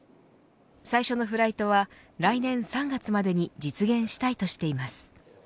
最初のフライトは来年３月までに実現したいとしています。